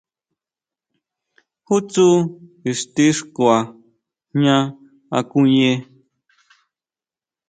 ¿Jú tsú ixtixkua jña akuye?